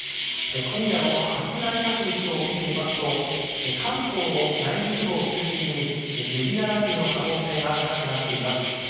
今夜の発雷確率を見てみますと関東の内陸部を中心にゲリラ雷雨の可能性が高くなっています。